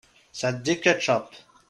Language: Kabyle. Sɛeddi ketchup.